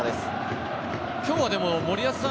今日は森保さん